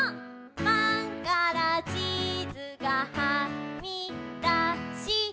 「パンからチーズがはみだした」